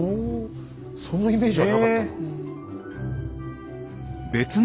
そんなイメージはなかったな。